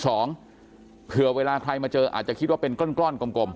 สองเผื่อเวลาใครมาเจออาจจะคิดว่าเป็นก้อนก้อนกลมกลม